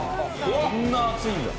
そんな熱いんだ。